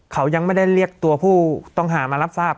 เขายังไม่ได้เรียกตัวผู้ต้องหามารับทราบ